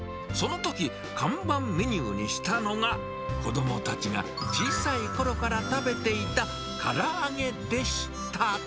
そのとき、看板メニューにしたのが、子どもたちが小さいころから食べていた、から揚げでした。